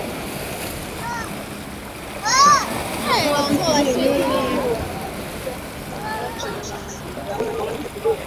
Miongoni mwa changamoto zinazowakabili wafanyabiashara hao ni ubovu wa miundo mbinu ya barabara